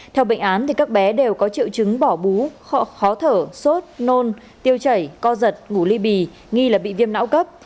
theo bệnh án các bé đều có triệu chứng bỏ bú khó thở sốt nôn tiêu chảy co giật ngủ ly bì nghi là bị viêm não cấp